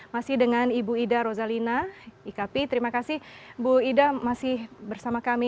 masih dengan ibu ida rozalina ikp terima kasih bu ida masih bersama kami